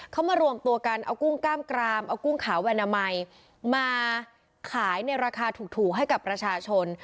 เขามารวมตัวกันเอากุ้งกล้ามกรามเอากุ้งขาวแวมัยมาขายในราคาถูกให้กับประชาชน